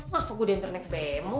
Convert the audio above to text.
masa gua dendernya ke bmo